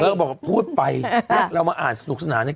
แล้วก็บอกว่าพูดไปแล้วเรามาอ่านสนุกสนานเนี่ย